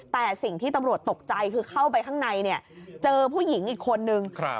แต่สิ่งที่ตำรวจตกใจคือเข้าไปข้างในเนี่ยเจอผู้หญิงอีกคนนึง